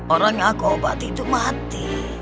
orang yang aku obat itu mati